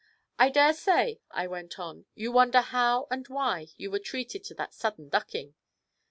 'I dare say,' I went on, 'you wonder how and why you were treated to that sudden ducking?'